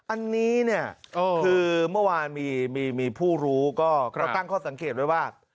อันนี้เนี่ยคือเมื่อวานมีผู้รู้ก็ตั้งข้อสังเกตไว้ว่า